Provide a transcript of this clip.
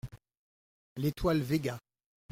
L’étoile Véga.